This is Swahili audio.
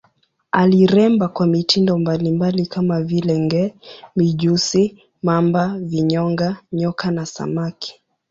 Aliremba kwa mitindo mbalimbali kama vile nge, mijusi, mamba, vinyonga, nyoka na samaki.